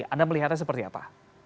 anda melihatnya seperti apa